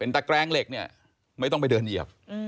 ตะแกรงเหล็กเนี่ยไม่ต้องไปเดินเหยียบ